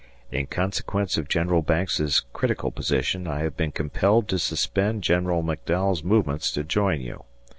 In consequence of General Banks's critical position I have been compelled to suspend General McDowell's movements to join you.